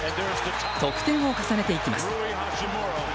得点を重ねていきます。